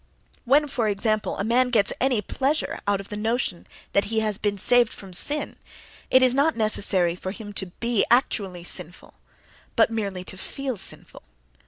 When, for example, a man gets any pleasure out of the notion that he has been saved from sin, it is not necessary for him to be actually sinful, but merely to feel sinful.